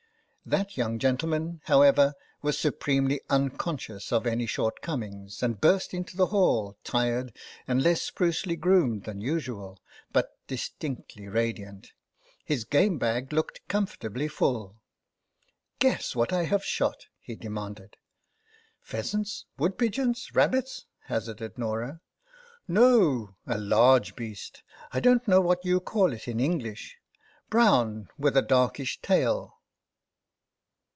That young gentleman, how ever, was supremely unconscious of any shortcomings, and burst into the hall, tired, and less sprucely groomed than usual, but distinctly radiant. His game bag looked comfortably full. Guess what I have shot,'* he demanded. " Pheasants, woodpigeons, rabbits," hazarded Norah. " No ; a large beast ; I don't know what you call it in English. Brown, with a darkish tail."